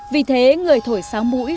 vì thế người thổi sáo mũi